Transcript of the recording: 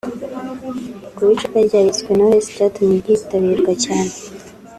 Kuba icupa ryariswe “Knowless” byatumye ryitabirwa cyane